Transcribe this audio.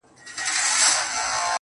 يوه څړيکه هوارې ته ولاړه ده حيرانه,